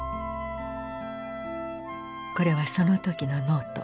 これはその時のノート。